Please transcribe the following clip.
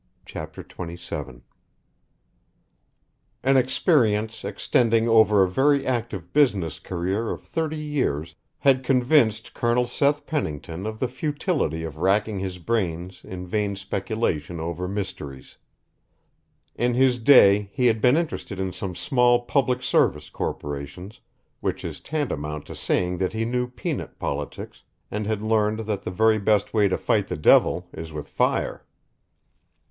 CHAPTER XVII An experience extending over a very active business career of thirty years had convinced Colonel Seth Pennington of the futility of wracking his brains in vain speculation over mysteries. In his day he had been interested in some small public service corporations, which is tantamount to saying that he knew peanut politics and had learned that the very best way to fight the devil is with fire.